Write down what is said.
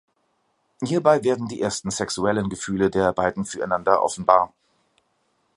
Hierbei werden die ersten sexuellen Gefühle der beiden füreinander offenbar.